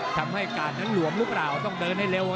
ทำให้การอะไรหลวมรู้เปล่าต้องเดินให้เร็วค่ะ